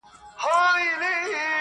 دا هندي تخنیک ډیر کار کړی وای